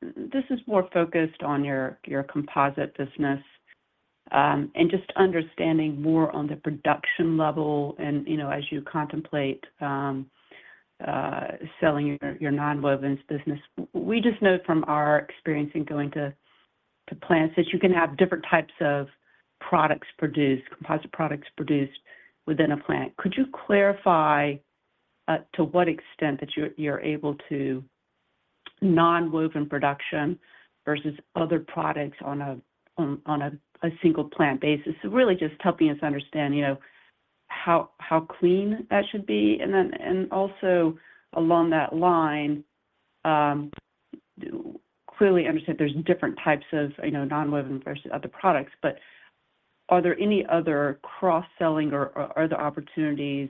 This is more focused on your composite business, and just understanding more on the production level and, you know, as you contemplate selling your nonwovens business. We just know from our experience in going to plants, that you can have different types of products produced, composite products produced within a plant. Could you clarify to what extent that you're able to nonwoven production versus other products on a single plant basis? So really just helping us understand, you know, how clean that should be. And then, and also along that line, clearly understand there's different types of, you know, nonwovens versus other products, but are there any other cross-selling, or, or are there opportunities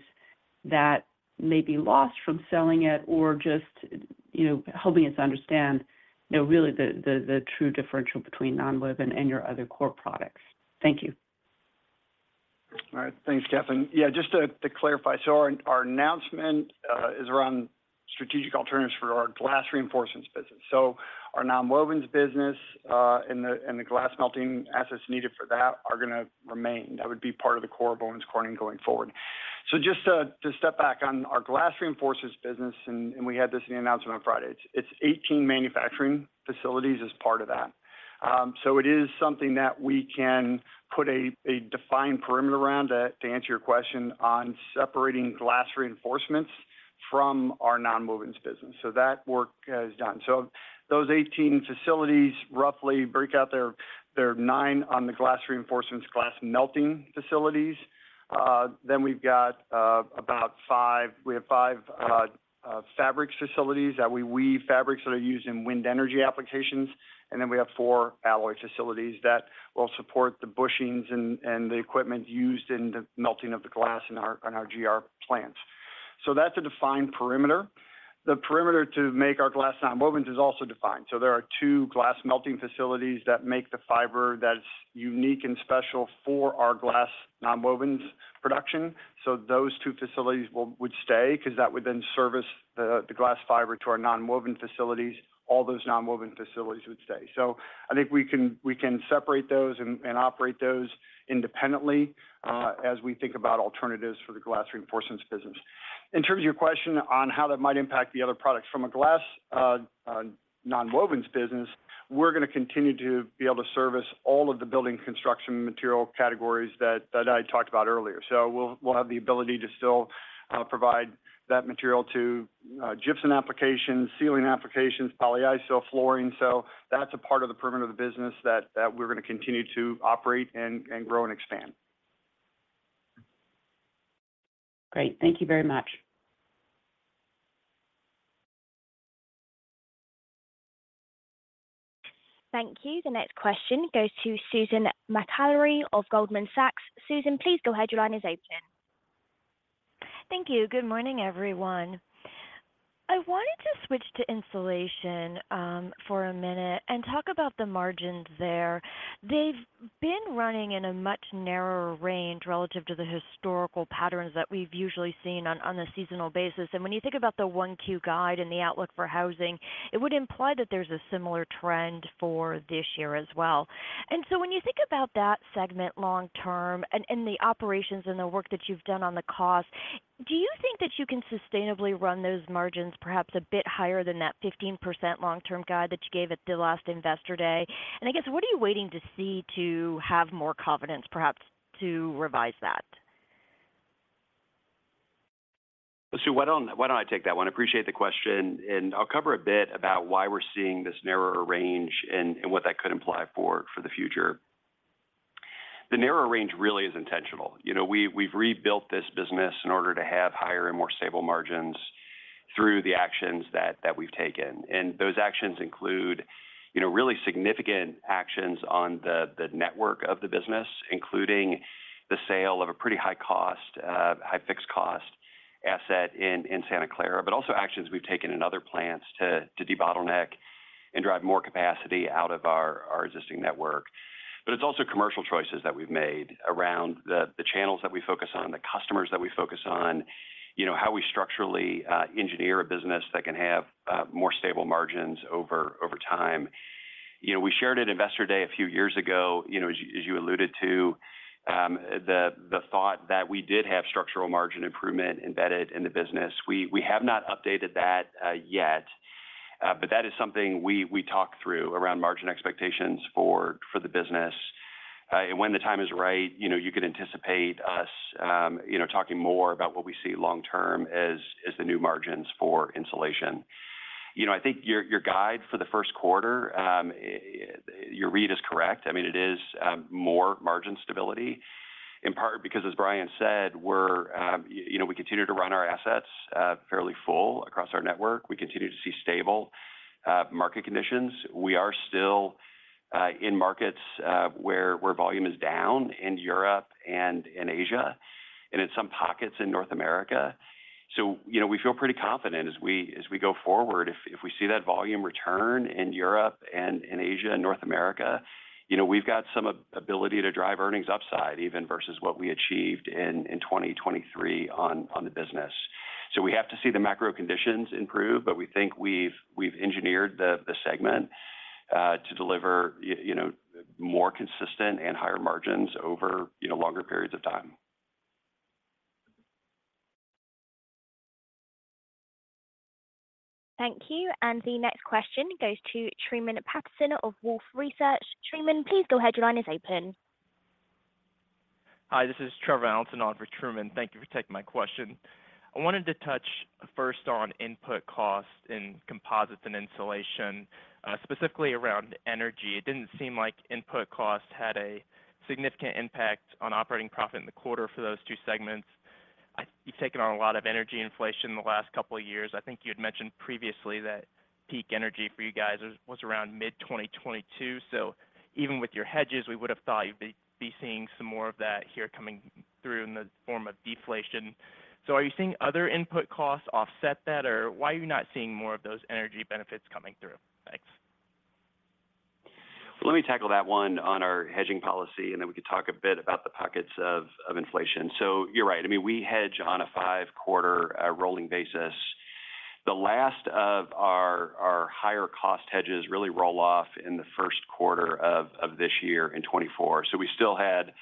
that may be lost from selling it or just, you know, helping us understand, you know, really the true differential between nonwovens and your other core products? Thank you. All right. Thanks, Kathryn. Yeah, just to clarify, so our announcement is around strategic alternatives for Glass Reinforcements business. So our nonwovens business, and the glass melting assets needed for that are gonna remain. That would be part of the core of Owens Corning going forward. So just to step back on Glass Reinforcements business, and we had this in the announcement on Friday, it's 18 manufacturing facilities as part of that. So it is something that we can put a defined perimeter around, to answer your question on Glass Reinforcements from our nonwovens business. So that work is done. So those 18 facilities roughly break out. There are nine on Glass Reinforcements, glass melting facilities. Then we have five fabrics facilities that we weave fabrics that are used in wind energy applications. And then we have four alloy facilities that will support the bushings and the equipment used in the melting of the glass in our GR plants. So that's a defined perimeter. The perimeter to make our glass nonwovens is also defined. So there are two glass melting facilities that make the fiber that's unique and special for our glass nonwovens production. So those two facilities would stay because that would then service the glass fiber to our nonwoven facilities. All those nonwoven facilities would stay. So I think we can separate those and operate those independently as we think about alternatives for Glass Reinforcements business. In terms of your question on how that might impact the other products, from a glass nonwovens business, we're gonna continue to be able to service all of the building construction material categories that I talked about earlier. So we'll have the ability to still provide that material to gypsum applications, ceiling applications, polyiso flooring. So that's a part of the perimeter of the business that we're gonna continue to operate and grow and expand. Great. Thank you very much. Thank you. The next question goes to Susan Maklari of Goldman Sachs. Susan, please go ahead. Your line is open. Thank you. Good morning, everyone. I wanted to switch to insulation for a minute and talk about the margins there. They've been running in a much narrower range relative to the historical patterns that we've usually seen on a seasonal basis. And when you think about the Q1 guide and the outlook for housing, it would imply that there's a similar trend for this year as well. And so when you think about that segment long term and the operations and the work that you've done on the cost, do you think that you can sustainably run those margins perhaps a bit higher than that 15% long-term guide that you gave at the last Investor Day? And I guess, what are you waiting to see to have more confidence, perhaps, to revise that? ...So why don't, why don't I take that one? I appreciate the question, and I'll cover a bit about why we're seeing this narrower range and, and what that could imply for, for the future. The narrower range really is intentional. You know, we, we've rebuilt this business in order to have higher and more stable margins through the actions that, that we've taken. And those actions include, you know, really significant actions on the, the network of the business, including the sale of a pretty high cost, high fixed cost asset in, in Santa Clara, but also actions we've taken in other plants to, to debottleneck and drive more capacity out of our, our existing network. But it's also commercial choices that we've made around the channels that we focus on, the customers that we focus on, you know, how we structurally engineer a business that can have more stable margins over time. You know, we shared at Investor Day a few years ago, you know, as you alluded to, the thought that we did have structural margin improvement embedded in the business. We have not updated that yet, but that is something we talk through around margin expectations for the business. And when the time is right, you know, you could anticipate us, you know, talking more about what we see long term as the new margins for insulation. You know, I think your guide for the first quarter, your read is correct. I mean, it is more margin stability, in part, because as Brian said, we're, you know, we continue to run our assets fairly full across our network. We continue to see stable market conditions. We are still in markets where volume is down in Europe and in Asia and in some pockets in North America. So, you know, we feel pretty confident as we go forward, if we see that volume return in Europe and in Asia and North America, you know, we've got some ability to drive earnings upside, even versus what we achieved in 2023 on the business. So we have to see the macro conditions improve, but we think we've engineered the segment to deliver, you know, more consistent and higher margins over longer periods of time. Thank you. The next question goes to Truman Patterson of Wolfe Research. Truman, please go ahead. Your line is open. Hi, this is Trevor Allinson in for Truman. Thank you for taking my question. I wanted to touch first on input cost in composites and insulation, specifically around energy. It didn't seem like input cost had a significant impact on operating profit in the quarter for those two segments. You've taken on a lot of energy inflation in the last couple of years. I think you had mentioned previously that peak energy for you guys was around mid-2022. So even with your hedges, we would have thought you'd be seeing some more of that here coming through in the form of deflation. So are you seeing other input costs offset that, or why are you not seeing more of those energy benefits coming through? Thanks. Let me tackle that one on our hedging policy, and then we can talk a bit about the pockets of inflation. So you're right. I mean, we hedge on a five quarter rolling basis. The last of our higher cost hedges really roll off in the first quarter of this year in 2024. So we still had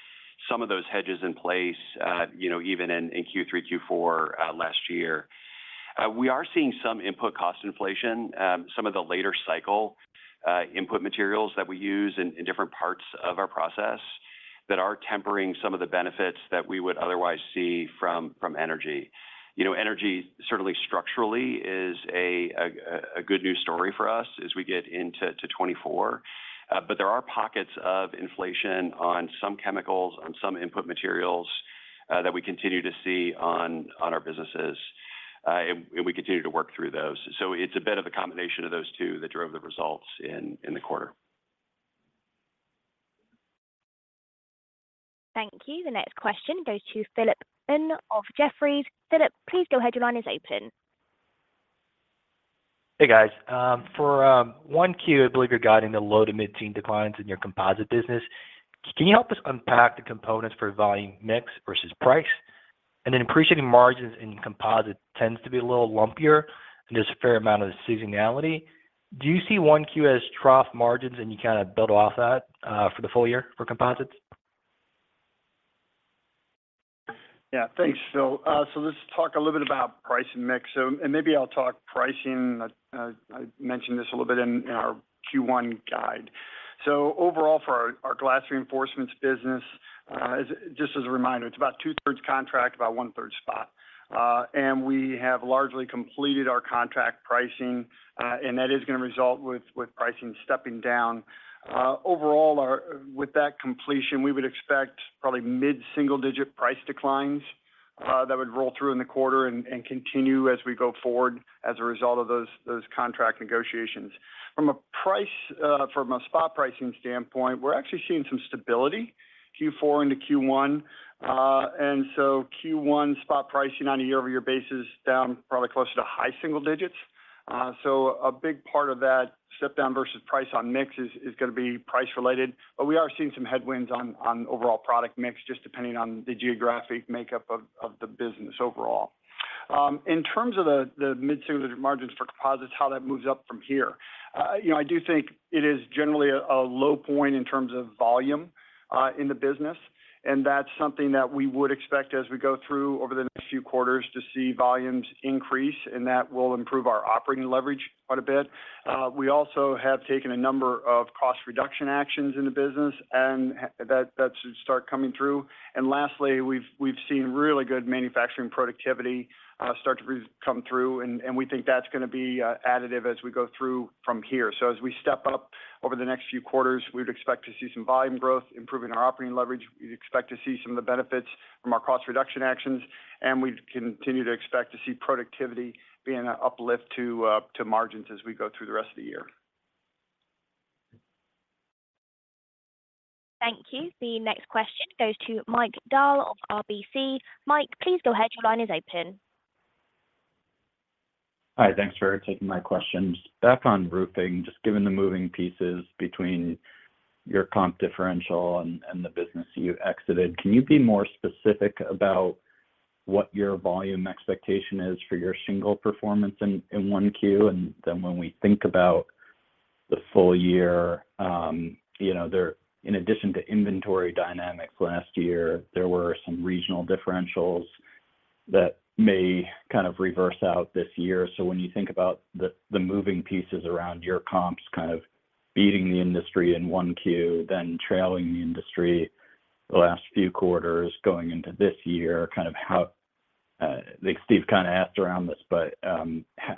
some of those hedges in place, you know, even in Q3, Q4 last year. We are seeing some input cost inflation, some of the later cycle input materials that we use in different parts of our process that are tempering some of the benefits that we would otherwise see from energy. You know, energy, certainly structurally, is a good news story for us as we get into 2024. But there are pockets of inflation on some chemicals, on some input materials, that we continue to see on our businesses, and we continue to work through those. So it's a bit of a combination of those two that drove the results in the quarter. Thank you. The next question goes to Philip Ng of Jefferies. Philip, please go ahead. Your line is open. Hey, guys. For Q1, I believe you're guiding the low to mid-teen declines in your composites business. Can you help us unpack the components for volume mix versus price? And then appreciating margins in composites tends to be a little lumpier, and there's a fair amount of seasonality. Do you see Q1 as trough margins, and you kind of build off that for the full year for composites? Yeah. Thanks, Phil. So let's talk a little bit about price and mix. And maybe I'll talk pricing. I mentioned this a little bit in our Q1 guide. So overall, for Glass Reinforcements business, just as a reminder, it's about two-thirds contract, about one-third spot. And we have largely completed our contract pricing, and that is gonna result with pricing stepping down. Overall, with that completion, we would expect probably mid-single-digit price declines that would roll through in the quarter and continue as we go forward as a result of those contract negotiations. From a spot pricing standpoint, we're actually seeing some stability, Q4 into Q1. And so Q1 spot pricing on a year-over-year basis is down probably closer to high single digits. So a big part of that step down versus price on mix is gonna be price related, but we are seeing some headwinds on overall product mix, just depending on the geographic makeup of the business overall. In terms of the mid-single digit margins for composites, how that moves up from here, you know, I do think it is generally a low point in terms of volume in the business, and that's something that we would expect as we go through over the next few quarters to see volumes increase, and that will improve our operating leverage quite a bit. We also have taken a number of cost reduction actions in the business, and that should start coming through. Lastly, we've seen really good manufacturing productivity start to come through, and we think that's gonna be additive as we go through from here. As we step up over the next few quarters, we'd expect to see some volume growth, improving our operating leverage. We'd expect to see some of the benefits from our cost reduction actions, and we continue to expect to see productivity being an uplift to margins as we go through the rest of the year. Thank you. The next question goes to Mike Dahl of RBC. Mike, please go ahead. Your line is open. Hi, thanks for taking my questions. Back on roofing, just given the moving pieces between your comp differential and the business you exited, can you be more specific about what your volume expectation is for your shingle performance in Q1? And then when we think about the full year, you know, there—in addition to inventory dynamics last year, there were some regional differentials that may kind of reverse out this year. So when you think about the moving pieces around your comps, kind of beating the industry in Q1, then trailing the industry the last few quarters going into this year, kind of how Steve kind of asked around this, but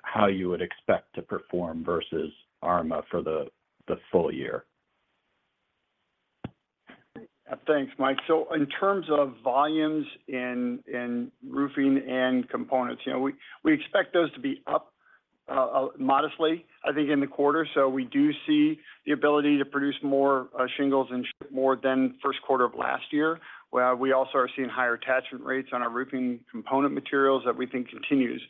how you would expect to perform versus ARMA for the full year? Thanks, Mike. So in terms of volumes in roofing and components, you know, we expect those to be up modestly, I think, in the quarter. So we do see the ability to produce more shingles and more than first quarter of last year. We also are seeing higher attachment rates on our roofing component materials that we think continues.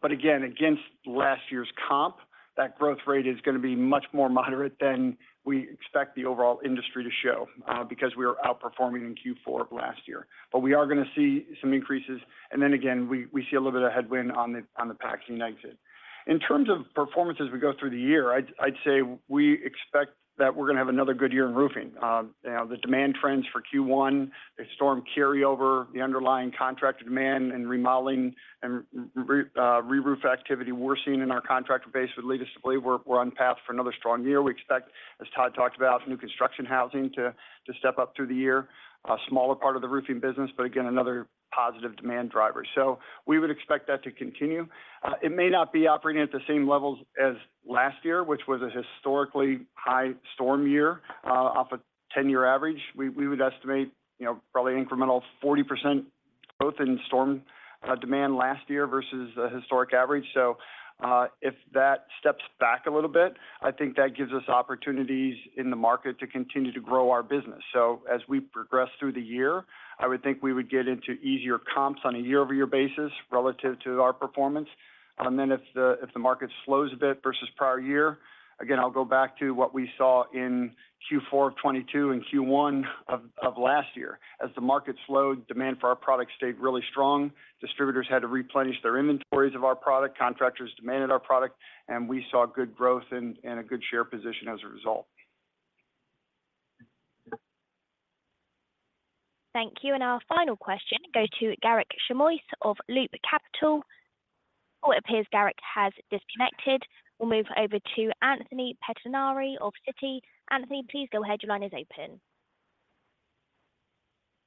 But again, against last year's comp, that growth rate is gonna be much more moderate than we expect the overall industry to show, because we are outperforming in Q4 of last year. But we are gonna see some increases, and then again, we see a little bit of headwind on the packaging exit. In terms of performance as we go through the year, I'd say we expect that we're gonna have another good year in roofing. You know, the demand trends for Q1, the storm carryover, the underlying contracted demand and remodeling, and reroof activity we're seeing in our contractor base would lead us to believe we're on path for another strong year. We expect, as Todd talked about, new construction housing to step up through the year, a smaller part of the roofing business, but again, another positive demand driver. So we would expect that to continue. It may not be operating at the same levels as last year, which was a historically high storm year, off a 10-year average. We would estimate, you know, probably incremental 40%, both in storm demand last year versus the historic average. So, if that steps back a little bit, I think that gives us opportunities in the market to continue to grow our business. So as we progress through the year, I would think we would get into easier comps on a year-over-year basis relative to our performance. And then if the market slows a bit versus prior year, again, I'll go back to what we saw in Q4 of 2022 and Q1 of last year. As the market slowed, demand for our product stayed really strong. Distributors had to replenish their inventories of our product, contractors demanded our product, and we saw good growth and a good share position as a result. Thank you. And our final question go to Garik Shmois of Loop Capital. Oh, it appears Garik has disconnected. We'll move over to Anthony Pettinari of Citi. Anthony, please go ahead. Your line is open.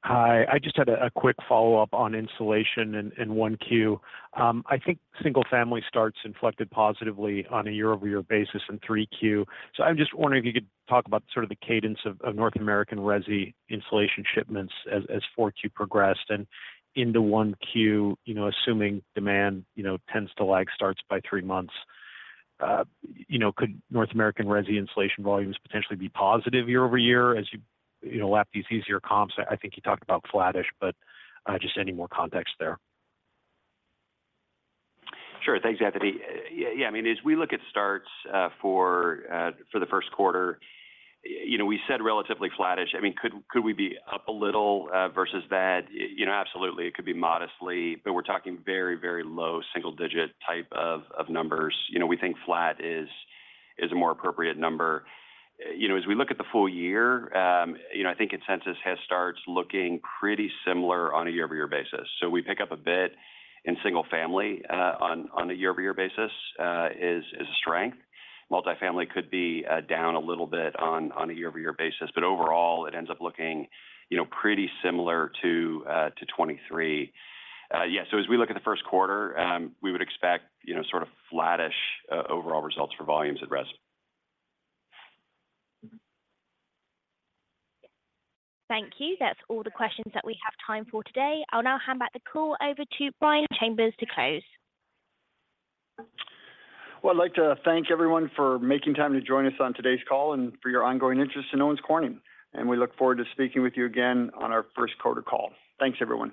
Hi, I just had a quick follow-up on insulation in Q1. I think single-family starts inflected positively on a year-over-year basis in 3Q. So I'm just wondering if you could talk about sort of the cadence of North American resi insulation shipments as 4Q progressed and into Q1, you know, assuming demand you know tends to lag starts by three months. You know, could North American resi insulation volumes potentially be positive year over year as you know lap these easier comps? I think you talked about flattish, but just any more context there. Sure. Thanks, Anthony. Yeah, yeah, I mean, as we look at starts for the first quarter, you know, we said relatively flattish. I mean, could we be up a little versus that? You know, absolutely. It could be modestly, but we're talking very, very low single digit type of numbers. You know, we think flat is a more appropriate number. You know, as we look at the full year, you know, I think consensus has starts looking pretty similar on a year-over-year basis. So we pick up a bit in single family on a year-over-year basis, is a strength. Multifamily could be down a little bit on a year-over-year basis, but overall, it ends up looking, you know, pretty similar to 2023. Yeah, so as we look at the first quarter, we would expect, you know, sort of flattish overall results for volumes at resi. Thank you. That's all the questions that we have time for today. I'll now hand back the call over to Brian Chambers to close. Well, I'd like to thank everyone for making time to join us on today's call and for your ongoing interest in Owens Corning, and we look forward to speaking with you again on our first quarter call. Thanks, everyone.